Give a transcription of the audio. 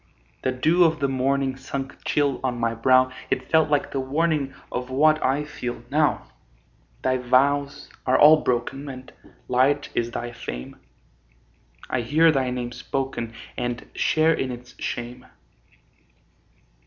The dew of the morning Sunk chill on my brow It felt like the warning Of what I feel now. Thy vows are all broken, And light is thy fame; I hear thy name spoken, And share in its shame.